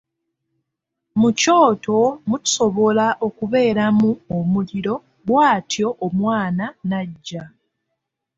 Mu kyoto musobola okubeeramu omuliro bw'atyo omwana n'aggya.